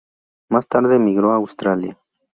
Más tarde emigró a Australia.